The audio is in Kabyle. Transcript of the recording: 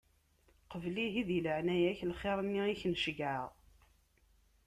Qbel ihi di leɛnaya-k, lxiṛ-nni i k-n-ceggɛeɣ;